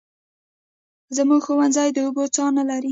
زموږ ښوونځی د اوبو څاه نلري